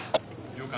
了解。